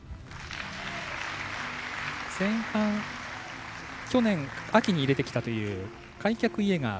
前半、去年秋に入れてきたという開脚イエーガー